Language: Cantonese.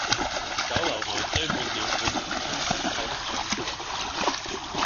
酒樓外堆滿了滿身濕透的長者